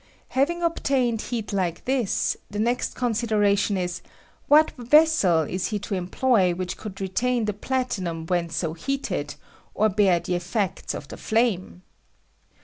Having obtained heat like this, the next consideration is, what vessel is he to em ploy which could retain the platinum when so heated, or bear the effects of the flame